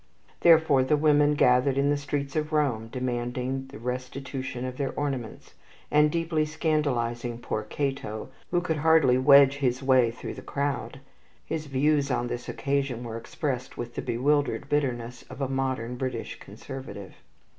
Therefore the women gathered in the streets of Rome, demanding the restitution of their ornaments, and deeply scandalizing poor Cato, who could hardly wedge his way through the crowd. His views on this occasion were expressed with the bewildered bitterness of a modern British conservative.